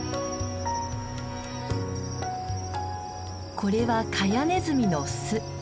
これはカヤネズミの巣。